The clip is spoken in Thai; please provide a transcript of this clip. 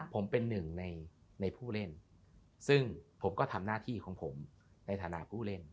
ผมเป็นหนึ่งในผู้เล่นซึ่งผมก็ทำหน้าที่ของผมในฐานะผู้เล่น